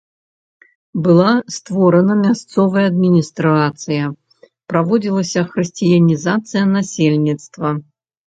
Была створана мясцовая адміністрацыя, праводзілася хрысціянізацыя насельніцтва.